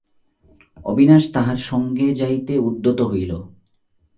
অবিনাশ তাহার সঙ্গে যাইতে উদ্যত হইল।